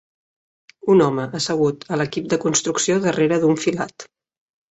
Un home assegut a l'equip de construcció darrere d'un filat